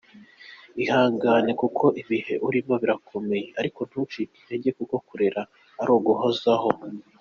Ihangane kuko ibihe urimo birakomeye ariko ntucike intege kuko kurera ari uguhozaho.